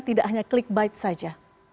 tidak hanya klik bite saja